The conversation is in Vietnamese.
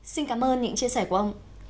xin cảm ơn những chia sẻ của ông